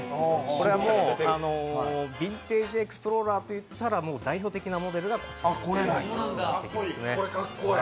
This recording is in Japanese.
これはヴィンテージエクスプローラーといったら代表的なモデルです。